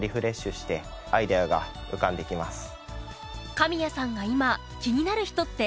神谷さんが今気になる人って？